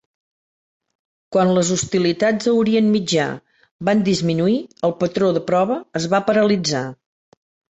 Quan les hostilitats a Orient Mitjà van disminuir, el patró de prova es va paralitzar.